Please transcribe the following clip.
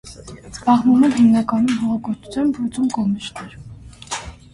Զբաղվում են հիմնականում հողագործությամբ, բուծում գոմեշներ։